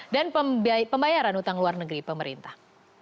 dan pembayaran utang luar negeri pemerintah